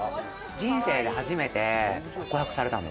人生で初めて告白されたの。